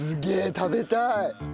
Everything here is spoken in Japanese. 食べたい。